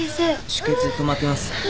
出血止まってます。